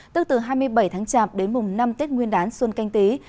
tức từ hai mươi bảy tháng chạp đến mùng năm tết nguyên đán xuân canh tí